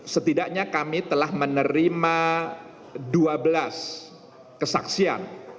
setidaknya kami telah menerima dua belas kesaksian